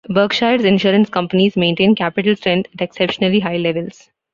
Berkshire's insurance companies maintain capital strength at exceptionally high levels.